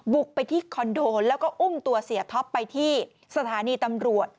บุกไปที่คอนโดแล้วก็อุ้มตัวเสียท็อปไปที่สถานีตำรวจ